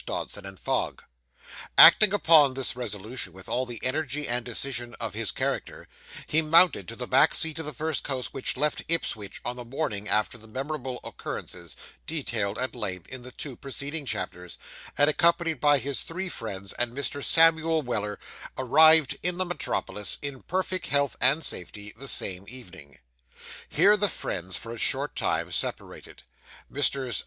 Dodson and Fogg. Acting upon this resolution with all the energy and decision of his character, he mounted to the back seat of the first coach which left Ipswich on the morning after the memorable occurrences detailed at length in the two preceding chapters; and accompanied by his three friends, and Mr. Samuel Weller, arrived in the metropolis, in perfect health and safety, the same evening. Here the friends, for a short time, separated. Messrs.